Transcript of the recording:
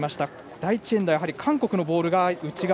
第１エンドは韓国のボールが内側